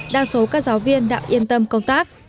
đa số các giáo viên đã yên tâm công tác